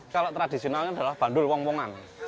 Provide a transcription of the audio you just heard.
kalau tradisionalnya adalah bandul wong wongan